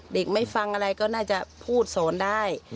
ไม่ฟังอะไรก็น่าจะพูดสอนได้